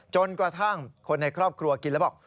จนกระทั่งคนในครอบครัวกินแล้วบอก